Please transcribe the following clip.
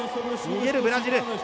逃げるブラジル。